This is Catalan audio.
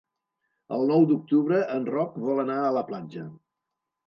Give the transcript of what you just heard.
El nou d'octubre en Roc vol anar a la platja.